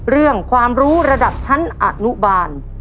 เรื่องความรู้ระดับชั้นอนุบาล